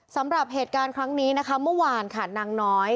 สำหรับเหตุการณ์ครั้งนี้นะคะเมื่อวานค่ะนางน้อย